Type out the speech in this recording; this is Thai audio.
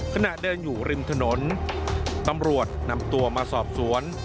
ขณะเดินอยู่ริมถนนตำรวจนำตัวมาสอบสวน